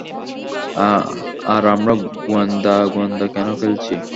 আর আমরা গোয়েন্দা-গোয়েন্দা কেন খেলছি?